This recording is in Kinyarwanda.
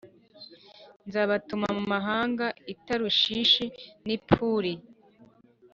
nzabatuma mu mahanga i Tarushishi ni Puli